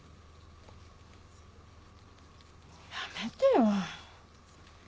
やめてよ。